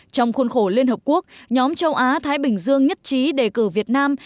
trong khuôn khổ liên hợp quốc nhóm châu á thái bình dương nhất trí đề cử việt nam